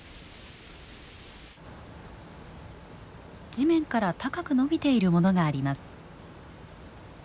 地面から高く伸びているものがあります。